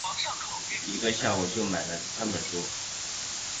一个下午就买了三本书